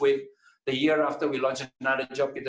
tahun kemudian kita meluncurkan pekerjaan lainnya